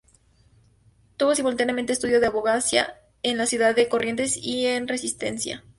Tuvo simultáneamente estudio de abogacía en la ciudad de Corrientes y en Resistencia.